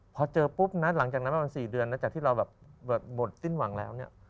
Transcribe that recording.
พอเจอปุ๊บนะหลังจากนั้นประมาณ๔เดือนนะจากที่เราแบบหมดสิ้นหวังแล้วเนี่ย